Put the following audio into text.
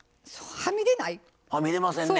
はみ出ませんね。